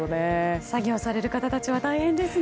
作業される方たちは大変ですね。